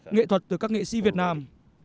nghệ thuật từ các nghệ sĩ việt nam